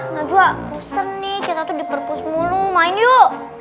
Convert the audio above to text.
nah juga pusing nih kita tuh di purpose mulu main yuk